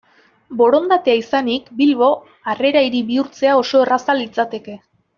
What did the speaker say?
Borondatea izanik, Bilbo Harrera Hiri bihurtzea oso erraza litzateke.